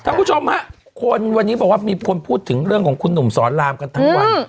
คุณผู้ชมฮะคนวันนี้บอกว่ามีคนพูดถึงเรื่องของคุณหนุ่มสอนรามกันทั้งวัน